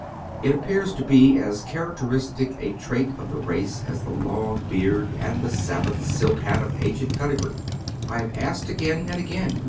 It appears to be as characteristic a trait of the race as the long beard and the Sabbath silk liat of ancient pedigree. I liave asked again and again.